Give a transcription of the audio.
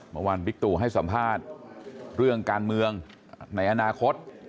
บิ๊กตูให้สัมภาษณ์เรื่องการเมืองในอนาคต